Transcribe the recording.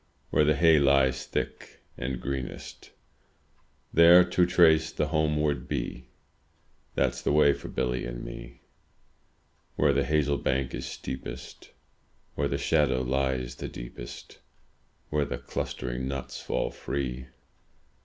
Where the hay lies thick and greenest, — There to trace the homeward bee. That's the way for Billy and me. Where the hazel bank is steepest. Where the shadow lies the deepest. Where the clustering nuts fall free.